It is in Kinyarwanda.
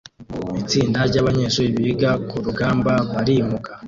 Itsinda ryabanyeshuri biga kurugamba barimuka